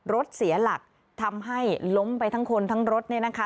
รถเสียหลักทำให้ล้มไปทั้งคนทั้งรถเนี่ยนะคะ